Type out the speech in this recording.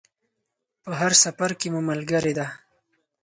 په هر سفر کې مو ملګرې ده.